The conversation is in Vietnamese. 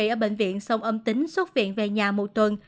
mẹ tôi ở bệnh viện xong âm tính xuất viện về nhà một tuần